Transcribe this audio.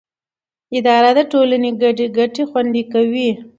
اداره د ټولنې ګډې ګټې خوندي کوي.